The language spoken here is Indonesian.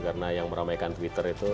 karena yang meramaikan twitter itu